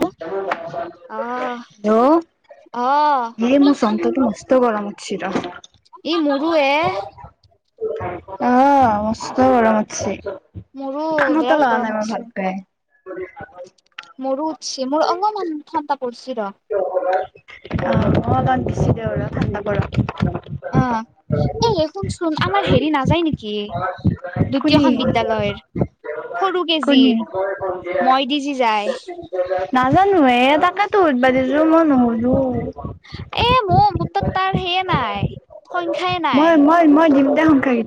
হ্ অ', অ', [unintelligible] চন্তটো মস্ত গৰম উঠচি ৰ। ই মৰু এ অ' মষ্ট গৰম উঠছে। মোৰো কানতে বিৰাট লোৱা গৰম নাই মই ভালকে মোৰ উছে মোৰ অলমান ঠাণ্ডা পৰ্চি ৰ। আহ মই বানধিছিলে আৰু ঠাণ্ডা পৰক অ এ শুনচোন আমাৰ হেৰি নাযায় নেকি কোনে? দ্বিতীয়খন বিদ্যালয়ৰ। সৰু কেজে কোনে? মই দি যি যায়? নাজানো এ তাকাতো উধ বাাদিছো মই নুহুদু এ মোৰ মোৰ তাত তাৰ সেয়ে নাই সংখ্যাই নাই মই মই মই দুতাই সংস [unintelligible] এ [unintelligible]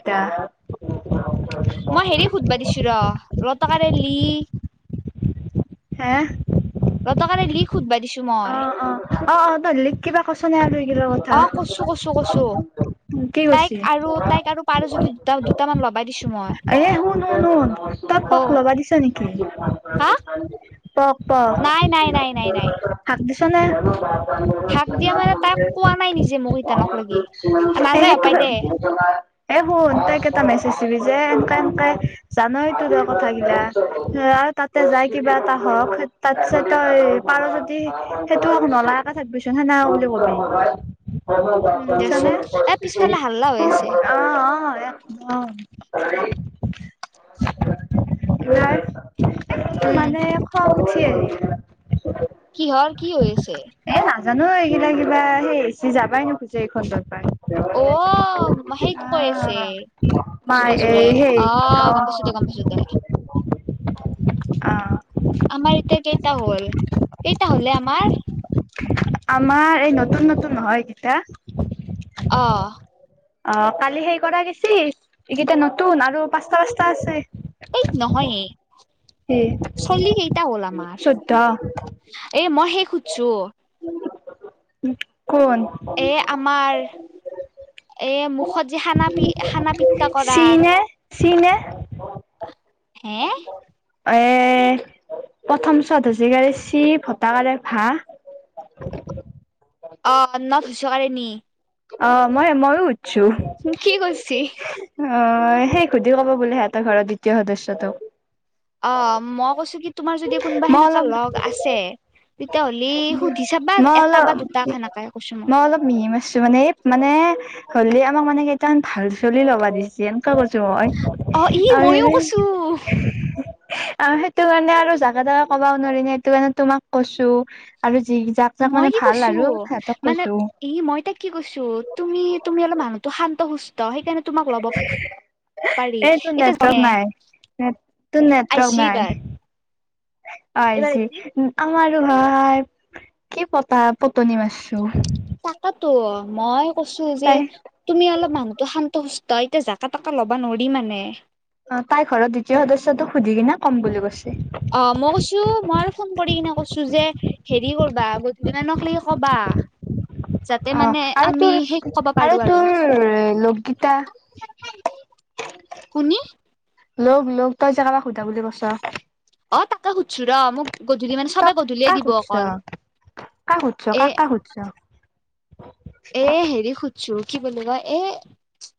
মই হেৰি সোধবা দিছো ৰ ৰতকাৰাৰে লি হা [unintelligible] ৰ ত কাৰে লি সোধবাই দিছো অ মই। অ অ অ দলিক কিবা কছনে আৰু কিল লগত। অ' কৈছো কৈছো কৈছো। কি কৈছে পাৰো যদি দুটা দুটামান লবাই দিছো মই এ শুন শুন শুন। তাক হ পক ল'বা দিছ নেকি কাক পক পক। নাই নাই নাই নাই নাই হাক দিছ নে? হাক দিয়া মানে তাই কোৱা নাই নিজে মোক ইটানক লাগি। নাযায় সেইটো হপাই [unintelligible] [unintelligible] দে এ শুন তাইক এটা মেছেজ দিবি যে এনকা এনকাই জানায় তো তৰ কথাগিলা। তাতে যাই কিবা এটা ধৰক তাৰ পিছত তই পাৰ যদি সেইটো নলাে থাকিবচ সে ন বুলি কব পাৰিম। উম দেচোন বৎস এ নে পিছফালে হাল্লা হৈ আছে অ অ [unintelligible] অ [unintelligible] উম মানে খং উঠি আহি কিহৰ কি হৈ আছে? এ নাজানো এইকেইটা কিবা সেই এচি যাবাই নোখোজে এই খণ্ডৰ পৰা অ' মাহেত কৈ আছে। মাই জুৰে জুৰে এই সেই অ' গম্প পাইছোঁ গম্প পাইছোঁ দে অ আমাৰ এতিয়া কেইটা হ'ল, কেইটা হ'লে আমাৰ? আমাৰ এই নতুন নতুন হয় কেইটা। অ' অ' কালি সেই কৰা গৈছি, এইকেইটা নতুন, আৰু পাঁচটা পাঁচটা আছে। এই নহয় এ, সি চল্লি কেইটা হ'ল আমাৰ? চৈধ্য এ মই সেই খোধছো। কোন? এ আমাৰ এই মুখত যে খানা পি, খানা পিটকা কৰা ফ্ৰি নে? হে? এ, প্ৰথম চ ত হচৌকাৰে চি ভট আকাৰে ভাঁ অ' মানে নত হোচৌকাৰে নি অ' মই ময়ো কি কৰছি? অ', সেই সুধি কব বোলে হেঁতৰ ঘৰৰ দ্বিতীয় সদস্যটো। অ', মই কৈছো কি তোমাৰ যদি কোনোবা মই সেনেকা অলপ লগ আছে তেতিয়া হ'লি সুধি চাবা মই এটা অলপ বা দুটাক সেনেকাই কৈছো মই। মিহি মাৰছো মানে এই মানে, হ'লে আমাক মানে কেইটামান ভাল চলি লবা দিছিল। সেনকে কৈছো মই অ [unintelligible] ই আৰু মইও কৈছো সেইটো কাৰণে আৰু জাকে তাকে কবাও নোৱাৰি ন, সেইটো কাৰণে তোমাক কৈছো আৰু যি যাক যাক মই মানে কি ভাল কৈছো আৰু হেতঁক মানে কৈছো। ই মই তাইক কি কৈছো তুমি, তুমি অলপ মানুহটো শান্ত সুস্থ সেইকাৰণে তোমাক ল'ব। পাৰি এই তোৰ এতিয়া নেট্ৰক জনে নাই, নেত তোৰ আহিছি নেট্ৰক এইবাৰ নাই। অ' এইবাৰ আহিছে কি আমাৰো ভাই, কি পতা পটনি মাৰছো। তাকেতো মই কৈছো যি তাই তুমি অলপ মানুহতো শান্ত সুস্থ, এতিয়া জাকা তাকে ল'বা নোৱাৰি মানে। অ', তাই ঘৰত দ্বিতীয় সদস্যটোক সুধি কিনে কম বুলি কৈছি। অ', মই কৈছো, মই আৰু ফোন কৰি কিনে কৈছো যে হেৰি কৰবা [unintelligible] লৈগি ক'বা। যাতে অ মানে আৰু আমি তোৰ শেষ কবা পাৰো আৰু। লগগীতা কোনি? লগ লগ, তই যে কাবাক সুধা বুলি কছা। অ', তাকে সোধছো ৰ মোক গধূলি মানে [unintelligible] ত, কাক দিব সোধছ, অকল কাক সোধছ, এ কাক কাক সোধছ? এই হেৰিক সোধছো, কি বুলি কয়, এ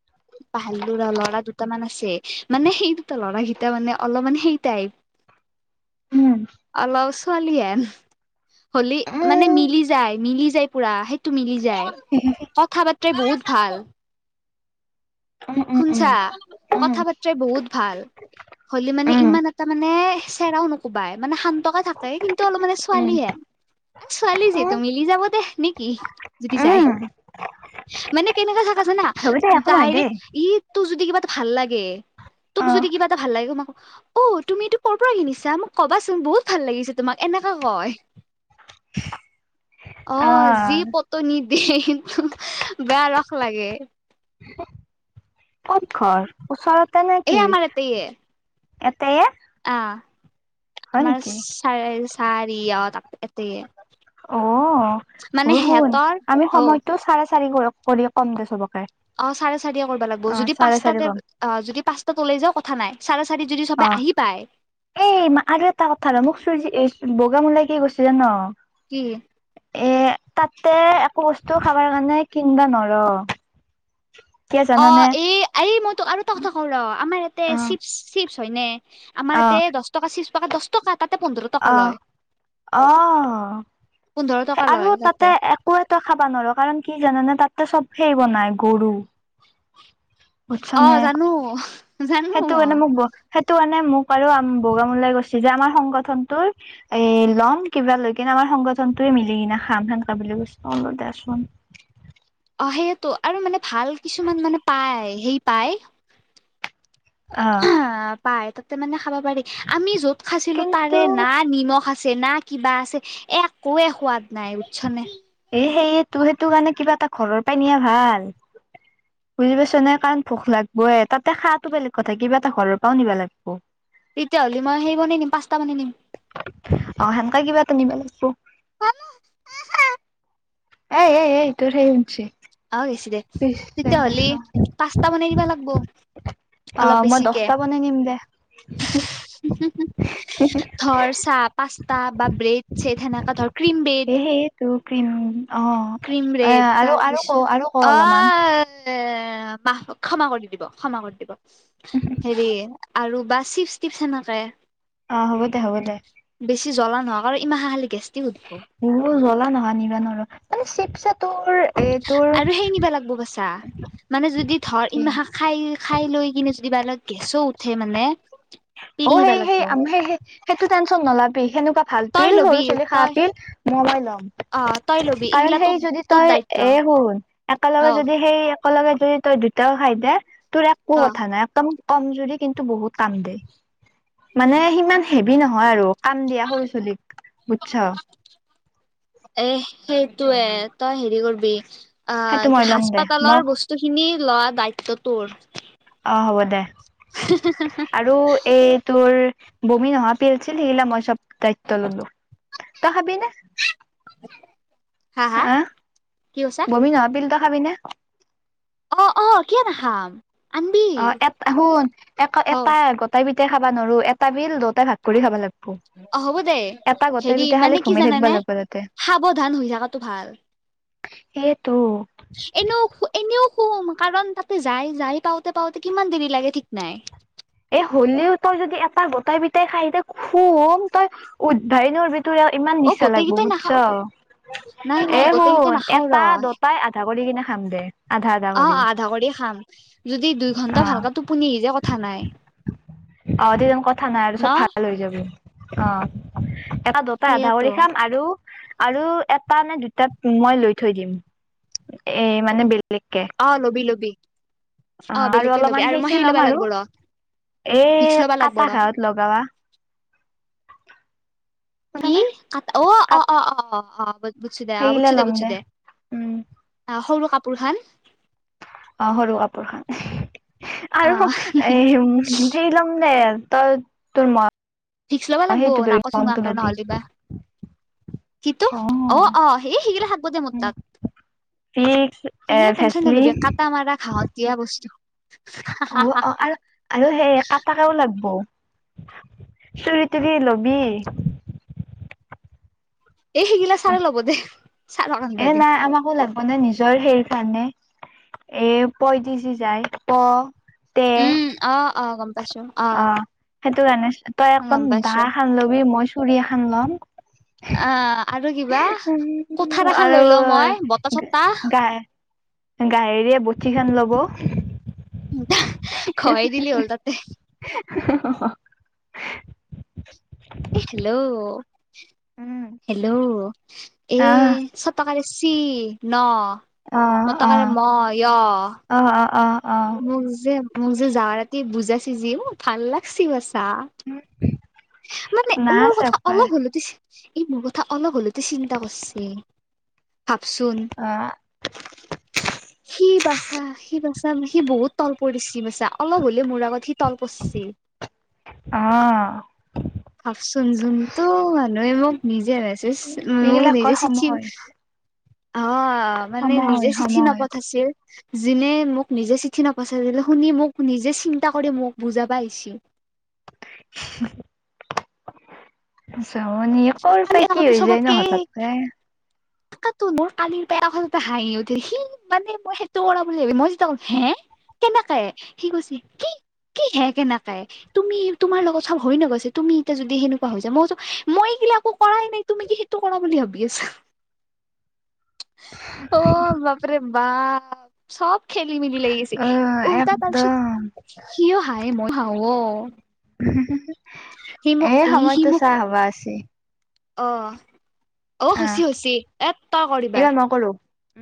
পাহাৰলো ৰ লৰা দুটা মান আছে, মানে সেই দুটা লৰা কেইটা মানে অলপ মান সেই উম টাইপ অলপ ছোৱালিহেন। হলি, মানে উম মিলি যায়, মিলি যায় পুৰা সেইটো মিলি যায়। [inaudible] কথা বাতৰাই বহুত ভাল। উম উম শুনছা, উম কথা বাৰ্তাই বহুত ভাল। হলি মানে উম ইমান এটা মানে চেৰাও নকোবাই, মানে শান্তকে থাক কিন্তু অলপমানে উম ছোৱালী হেন, ছোৱালী উম উম যিহেতু মিলি যাব দে নেকি? যদি যায়, উম মানে কেনেকুৱা জাগা জানা, হ'ব দে একো নহয় ডাইৰেক্ট দেই। ই তোক যদি কিবা এটা ভাল লাগে, অ তোক যদি কিবা এটা ভাল লাগে [unintelligible] অ', তুমি এইটো কৰ' পৰা কিনিছা, মোক ক'বাচোন বহুত ভাল লাগিছে তোমাক, এনেকে কয়। [inaudible] অ', যি পিটনি দেই, বেয়া ৰস লাগে। কত ঘৰ, ওচৰতে এই নেকি, আমাৰ এতেয়ে এতেয়ে? আহ, হয় আমাৰ নেকি? চ চাৰি অ' এতেয়ে। অ মানে বৰষূণ সিহঁতৰ আমি হৌ সময়তটো চাৰে চাৰি বজাত কৰি কম দে চবকে অ চাৰে চাৰি কৰিবা লাগব অ যদি চাৰে চাৰি পাঁচটাতে কম অ যদি পাঁচটাত ওলাই যাও কথা নাই চাৰে চাৰিত যদি অ চবে আহি পায় এই মা আৰু এটা কথা ৰ মোক [unintelligible] বগামোলাই কি কৈছে জান? কি? এ তাতে একো বস্তু খাবৰ কাৰণে কিনবা নৰ কিয় অ জানানে এই এই মই তোক আৰু এটা কথা কওঁ ৰ আমাৰ ইয়াতে অ চিপছ -চিপছ হয় নে? আমাৰ অ য়াতে দহ টকা চিপছ্ পেকাট দহ টকা তাতে পোন্ধৰ টকা অ' লয় অ' পোন্ধৰ টকা আৰু লয় তাতে এক আকো এটা খাবা নোৱাৰো কাৰণ কি জানোনে তাততে চব সেই বনাই গৰু, বুজছানে অ' জানো জানো সেইটো কাৰণে মই। মোক সেইটো কাৰণে মোক আৰু বগামলাই, গৈছে যে আমাৰ সংগঠনটো এ ল'ম কিবা লৈ কিনে আমাৰ সংগঠনটোয়ে মিলি কিনি খাম শান বুলি কৈ দেচোন অ' সেইয়টো আৰু মানে ভাল কিছুমান মানে পায় সেই পায় অ পাই তাতে মানে খাব পাৰি আমি যত খাইছিলো তাতে কিন্তু নাথ নিমখ, আছে না কিবা আছে একোৱে সোৱাদ নাই বুজিছানে এ সেইয় তো সেইটো কাৰণে কিবা এটা ঘৰৰ পৰাই নিয়া ভাল বুজি পাইছ নে কাৰণ ভোক লাগবইে তাতে খাটো বেলেগ কথা কিবা এটা ঘৰৰ পৰাও নিবা লাগিব তেতিয়াহ'লে মই সেই বন নিম পাঁচটা বানে নিম অ' সেনেকা কিবা এটা নিব লাগব এ এ এই তোৰ [unintelligible] আহ গেছি দে পিছে দে তেতিয়াহলে অ পাস্তা, বনাই নিবা লাগবো। অ' মই দছটা বানই নিম দে ধৰ চাহ, পাস্তা, বা ব্ৰেড, ছেদ তেনেকা ধৰ ক্ৰীম ব্ৰেড। ত ক্ৰীম অ ক্ৰীম, এ বেড আৰু আৰু ক তাৰপিছত আৰু ক অলপমান অ' দে বা ক্ষমা কৰি দিব খোজা কৰি দিব হেৰী আৰু বা চিচ [unintelligible] [unintelligible] অ' হ'ব দে হ'ব দে বেছি জ্বলা নহয় কাৰ আৰু ইমান খালি গাষ্টিক উঠব। জ্বলা, নহয় নিবা নোৱাৰো মানে চিপচে তোৰ এ তোৰ আৰু সেই নিবা লাগিব পাইছা মানে যদি ধৰ এ ইম খাই খাই লৈ কিনে যদি ব গেছো, উঠে মানে পিল অ' নিবা সেই সেই লাগব স সেইটো টেনচন নলাবি সেনেকুৱা ভাল তই পিল লবি সৰু চলি খা তই পিল মই লম অ তই লবি কাৰণ এইগিলা সেই তোৰ যদি তোৰ তই দায়িত্ব এ শুন একেলগে অ যদি সেই একেল লগে যদি তই দুটাও খাই দে তোৰ একো অ কথা নাই একদম কমজুৰি কিন্তু বহুত কাম দে মানে সিমান হেভি নহয় আৰু কাম দিয়া সৰু ছোলীক বুজছ এ সেইটোয়ে তই হেৰি কৰিবি সেইটো আহ মই কি ল'ম দে হাস্পাতালৰ, মোক বস্তু খিনি লোৱা দায়িত্ব তোৰ অ' হ'ব দে আৰু এই তোৰ বমি নহা পিল ছিল সিলা মই চব দায়িত্ব ললো তই খাবি নে [inaudible] হা কি কৈছা বমি নহাপিল, এটা খাবি নে অ' অ' কিয় নাখাম আনবি অ' এটা শুন এ হ এটা গোটাই বিটে খাবা নোৱাৰো এটা বিল দুটাই ভাগ কৰি খাব লাগ অ' হ'ব দেই হেৰি খালি মানে কি ঘুমাই থাকিব জাননে লাগব তাতে সাৱধান হৈ থাকাটো ভাল এ ত এনেও এনেও খুম কাৰণ তাতে যাই যাই পাওঁতে পাওঁতে কিমান দেৰি লাগে ঠিক নাই এ হ'লেও তই যদি এটা গোটাই পটাই খাইিতি খুম তই উৎভাই নাৰাৰিবি তোৰ আৰু ইমান অ নিছা গোটেই লাগিব কেইটাই বুজছ নাখাও নাই এ নাই গোটেই কেইটা শুন নাখাও ৰ এটা দটাই আধা কৰি কিনে খাম দে আধা আধা অ কৰি আধা কৰি খাম যদি দুই ঘন্টা অ' ভালকে টোপনি আহি যায় কথা নাই আৰু তিজনন কথা নাই আৰু ন চব ভাল হৈ যাব অ' এটা দুটা আধা সেইয়েতো কৰি খাম আৰু আৰু এটা নে দুটা মই লৈ থৈ দিম এ মানে বেলেগকে অ' ল'বি ল'বি অ' আৰু বেলেগকে ল'বি অলপমান সেই মই সে লম ল'বা আৰু লাগব ৰ এ ভিক্স ল'বা লাগব কাটা ৰ ঘত লগাবা কি, ক, অ', অ', অ', অ', বুছি দে, আহ, সেইগিলা বুছি দে, ল'ম বুছি দে। উম অ, সৰু কাপোৰ খান। অ, সৰু কাপোৰ খান। অ আৰু এ সেই ল'ম দে, তই তোৰ মন ভিক্স ল'ব লাগিব। নকৌ চুঙাকে লবি। নহ'লেবা। কিতু অ', অ', সেই শিগিলা থাকিবই দে, মোৰ তাত। ভিক্স এ সেইগিলা টেনচন ভেচলি নলবি কটা মাৰা ঘাঁহত দিয়া বস্তু। অ, আৰু, আৰু সেই কটাকাও লাগিব। চোৰি, তুৰি লবি। এই সিগিলা ছাৰে ল'ব দে, চাৰক আনবা এ দিম। নাই আমাকো লাগে। মানে নিজৰ সেইৰখানে এৰ পই দি, য, যায়। প তে উম অ', অ', গম পাইচোঁ। অ, সেইটো কাৰণে তই গম একদম দাহ পাইছো এখন লবি, মই চুৰিয়া এখন ল'ম। অ, আৰু কিবা কঠাৰ উম এখন আৰু লৈ লওঁ, মই বতাহ, চতাহ [inaudible] গায়ৰিয়ে বঠি খন, ল'ব। ঘঁহি দিলি হ'ল তাতে [unintelligible] এ, হেল্ল', উম। হেল্ল', এ আহ শতকালশি ন অ', অ', অ', অ', অ', অ'। মোক যে, মোক যে, যাৱ ৰাতিয় বুজাইছেি যি মোক ভাল লাগছে বাচা। উম। মানে মোৰ কথা অলপ হলোতে এই মোৰ কথা অলপ হলোতে চিন্তা কৰছে, ভাবচোন। অ', [inaudible] সি বাচা, সি বাচা, সি বহুত তল পৰিছে, সি বচা অলপ হলেও মোৰ আগত সি, তল পৰি ছিল। অ'। ভাবচোন জনটো মানুহে মোক নিজে ৰেচ উম মোৰ এইগিলাক নিজে কয় চিঠি। সময়, অ, মানে সময়, নিজে চিঠি সময় নপঠাইছিল। যিনে মোক নিজে চিঠি নপাইছে, শুনি মোক নিজে চিন্তা কৰি মোক বুজাব আহিছিল। [unintelligible] জমনি কৰ আৰু পা এটা কি কথা হৈ যায় ন হঠাতে। তাকেটো, মোৰ কালিৰ পাই এতে হাঁহি উঠিল সি মানে মই সেইটো কৰা বুলি ভাবি মই যেতিয়া কম হে কেনেকে, সি কৈছে কি? কিহে, কেনেকে তুমি তোমাৰ লগত চব হৈ নে গৈছে, তুমি এতিয়া যদি সেনেকুৱা হৈ যায় মই কৈছোঁ মই এইবিলাক একো কৰাই নাই, তুমি কি সেইটো কৰা বুলি ভাবি আছা। অ, বাপৰে, বাপ। চব খেলি-মেলি লাগি গৈছে, অ উলটা তাৰ একদম পিছত সিও হায়ে, মই হাঁহো, অ। সি মোক এই সি সি সময়তো মোক চাহ খাব আছে। অ', অ', হৈছি, হৈছি এ, তই কৰ এইবাৰ এবাৰ। মই কৰোঁ। উম।